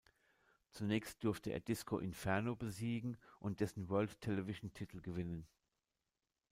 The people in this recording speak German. Zunächst durfte er Disco Inferno besiegen und dessen World Television-Titel gewinnen.